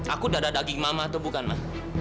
aku dada daging mama atau bukan mas